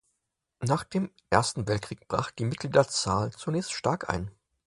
Nach dem Ersten Weltkrieg brach die Mitgliederzahl zunächst stark ein.